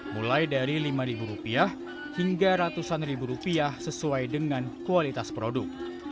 mulai dari lima rupiah hingga ratusan ribu rupiah sesuai dengan kualitas produk